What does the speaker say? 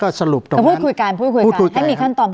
การแสดงความคิดเห็น